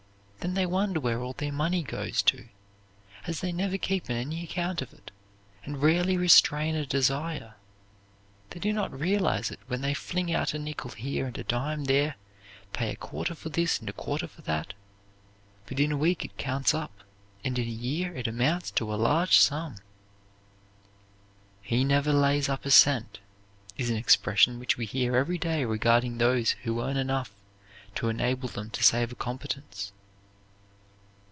Then they wonder where all their money goes to, as they never keep any account of it, and rarely restrain a desire. They do not realize it when they fling out a nickel here and a dime there, pay a quarter for this and a quarter for that; but in a week it counts up, and in a year it amounts to a large sum. "He never lays up a cent" is an expression which we hear every day regarding those who earn enough to enable them to save a competence.